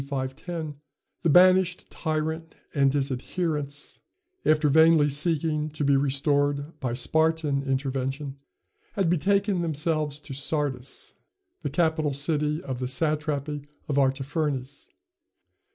510, the banished tyrant and his adherents, after vainly seeking to be restored by Spartan intervention, had betaken themselves to Sardis, the capital city of the satrapy of Artaphernes.